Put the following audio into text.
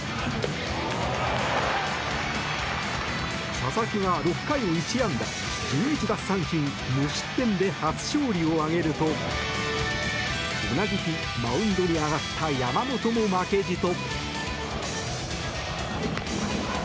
佐々木が６回を１安打１１奪三振無失点で初勝利を挙げると同じ日マウンドに上がった山本も負けじと。